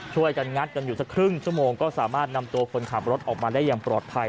ช่วยกันงัดกันอยู่สักครึ่งชั่วโมงก็สามารถนำตัวคนขับรถออกมาได้อย่างปลอดภัย